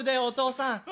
お父さん？